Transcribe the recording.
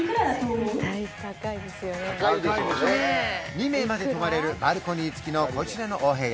２名まで泊まれるバルコニーつきのこちらのお部屋